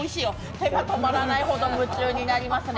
手が止まらないほど夢中になりますね。